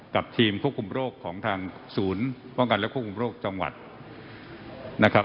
กับทีมควบคุมโรคของทางศูนย์ป้องกันและควบคุมโรคจังหวัดนะครับ